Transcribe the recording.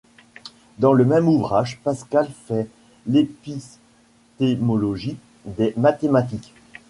Dans le même ouvrage, Pascal fait l’épistémologie des mathématiques.